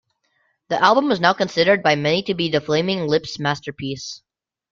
The album is now considered by many to be the Flaming Lips's masterpiece.